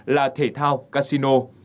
là thể thao casino